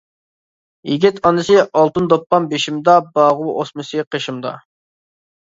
يىگىت ئانىسى ئالتۇن دوپپام بېشىمدا، باغ ئوسمىسى قېشىمدا.